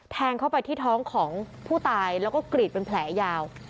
แทงเข้าไปที่ท้องของผู้ตายแล้วก็กรีดเป็นแผลยาว